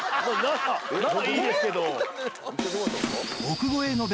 ならいいですけど。